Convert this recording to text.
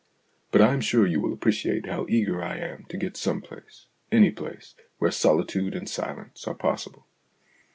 But I am sure you will appreciate how eager I am to get to some place any place where solitude and silence are possible.